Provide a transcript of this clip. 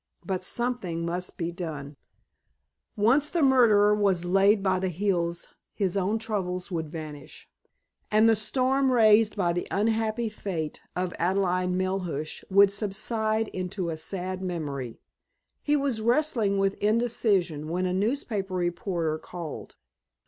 But something must be done. Once the murderer was laid by the heels his own troubles would vanish, and the storm raised by the unhappy fate of Adelaide Melhuish would subside into a sad memory. He was wrestling with indecision when a newspaper reporter called.